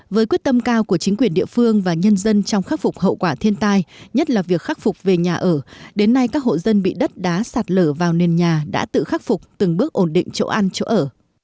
với quyết tâm cao của chính quyền địa phương và nhân dân trong khắc phục hậu quả thiên tai nhất là việc khắc phục về nhà ở đến nay các hộ dân bị đất đá sạt lở vào nền nhà đã tự khắc phục từng bước ổn định chỗ ăn chỗ ở